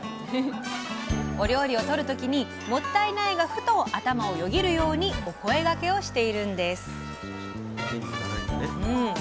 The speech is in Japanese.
お料理を取る時に「もったいない」がふと頭をよぎるようにお声がけをしているんです。